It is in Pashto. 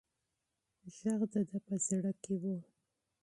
غږ د ده په زړه کې و.